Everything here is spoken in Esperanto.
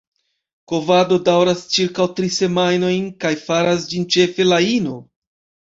Kovado daŭras ĉirkaŭ tri semajnojn kaj faras ĝin ĉefe la ino.